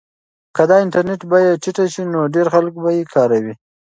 که د انټرنیټ بیه ټیټه شي نو ډېر خلک به یې کاروي.